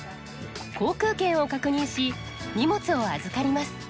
航空券を確認し荷物を預かります。